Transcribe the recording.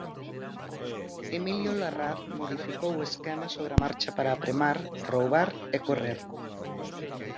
Emilio Larraz modificou o esquema sobre a marcha para apremar, roubar e correr.